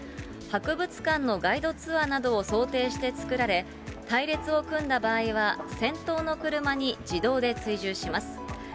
博物館のガイドツアーなどを想定して作られ、隊列を組んだ場合は先頭の車に自動で追従します。